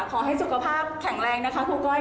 ขอให้สุขภาพแข็งแรงนะคะครูก้อย